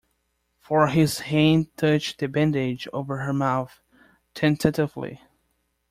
For his hand touched the bandage over her mouth — tentatively.